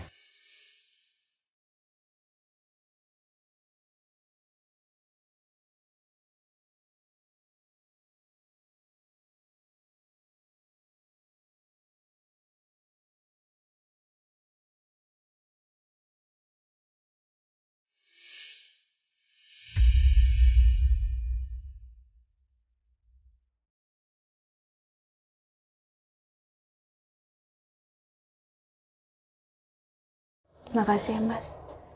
terima kasih mas